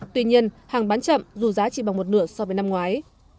tuy nhiên hàng bán chậm dù giá chỉ bằng một nửa so với năm ngoái